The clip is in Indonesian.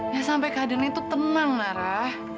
ya sampai kadennya itu tenang nara